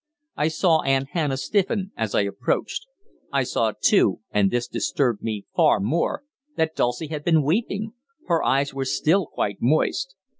I saw Aunt Hannah stiffen as I approached. I saw too and this disturbed me far more that Dulcie had been weeping. Her eyes were still quite moist.